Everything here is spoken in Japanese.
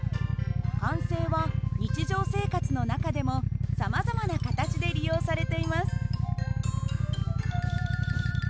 慣性は日常生活の中でもさまざまな形で利用されています。